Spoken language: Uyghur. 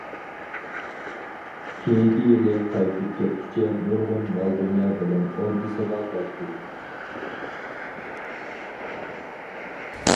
كېيىنكى يىلى قايتىپ كەتكۈچە نۇرغۇن مال-دۇنيا بىلەن ئوردىسىغا قايتتى.